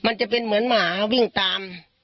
มันจะเป็นเหมือนหมาวิ่งตาม